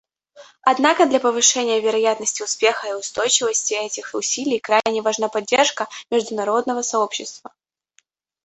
Однако для повышения вероятности успеха и устойчивости этих усилий крайне важна поддержка международного сообщества.